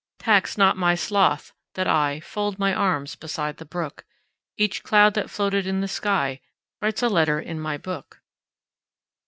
Tax not my sloth that IFold my arms beside the brook; Each cloud that floated in the skyWrites a letter in my book.